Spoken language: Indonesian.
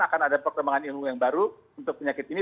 akan ada perkembangan ilmu yang baru untuk penyakit ini